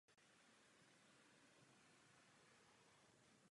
Za revoluce se přidal k bolševikům a stal se poměrně úspěšným velitelem.